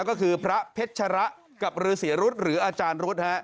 ก็คือพระเพชรกับฤษีรุษหรืออาจารย์รุษ